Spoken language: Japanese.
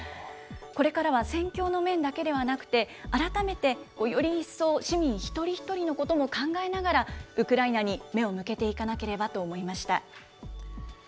これからは戦況の面だけではなくて、改めてより一層、市民一人一人のことも考えながら、ウクライナに目を向けていかなければと思いました。